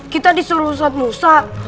kita disuruh ustadz musa